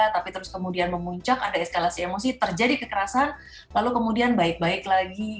tapi terus kemudian memuncak ada eskalasi emosi terjadi kekerasan lalu kemudian baik baik lagi